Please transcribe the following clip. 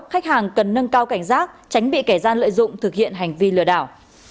khách hàng cần nâng cao cảnh giác tránh bị kẻ gian lợi dụng thực hiện hành vi lừa đảo